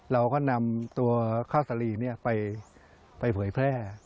เราก็นำตัวข้าวสลีไปเผยแพร่